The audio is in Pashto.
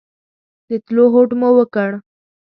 د تلو هوډ مو وکړ.